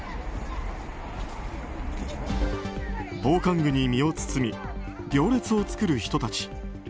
防寒具に身を包み行列を作る人たち。